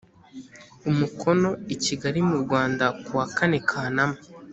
umukono i kigali mu rwanda ku wa kane kanama